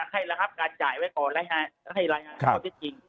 ให้ละครับการจ่ายไว้ก่อนแล้วให้ละครับก็จะจริง